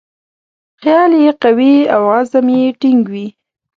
خیال یې قوي او عزم یې ټینګ وي.